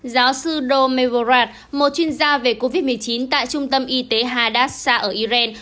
giáo sư do mevorad một chuyên gia về covid một mươi chín tại trung tâm y tế hadassah ở iran